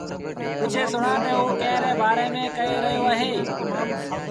پُڇي سُڻآ تا اوٚ ڪݩهݩ ري بآري ميݩ ڪهي رهيو اهي؟